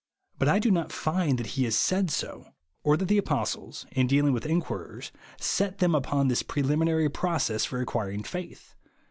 Bat I do not find that he has said so, or that the apostles in dealing with inquirers set thorn 118 BELIEVE JUST NOW Upon this preliminary process for acquiring faith.